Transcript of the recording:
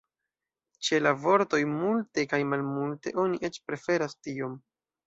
Ĉe la vortoj "multe" kaj "malmulte" oni eĉ preferas "tiom".